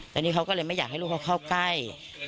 แต่นี่เขาก็เลยไม่อยากให้ลูกเขาเข้าใกล้